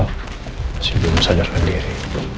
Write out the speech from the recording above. hal masih belum sadar sendiri